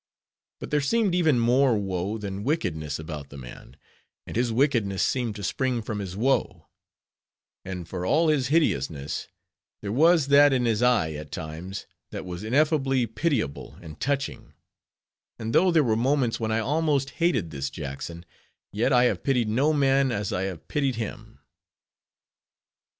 But there seemed even more woe than wickedness about the man; and his wickedness seemed to spring from his woe; and for all his hideousness, there was that in his eye at times, that was ineffably pitiable and touching; and though there were moments when I almost hated this Jackson, yet I have pitied no man as I have pitied him.